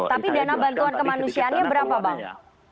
tapi dana bantuan kemanusiaannya berapa bang